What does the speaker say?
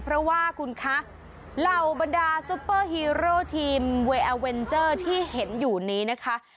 เพราะว่าคุณคะเหล่าบรรดาซุปเปอร์ฮีโร่ทีมเวย์อาเวนเจอร์ที่เห็นอยู่นี้นะคะ